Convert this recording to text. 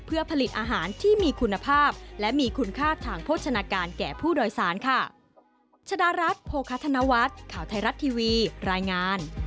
เพื่อผลิตอาหารที่มีคุณภาพและมีคุณค่าทางโภชนาการแก่ผู้โดยสารค่ะ